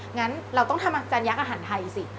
งั้นเราต้องทำอาจารยักษ์อาหารไทยสิ